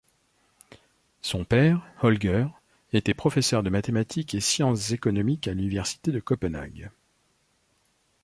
Son père, Holger, était professeur de mathématiques et sciences économiques à l'université de Copenhague.